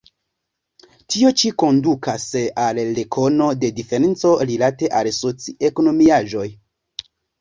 Tio ĉi kondukas al rekono de diferenco rilate al la soci-ekonomiaĵoj.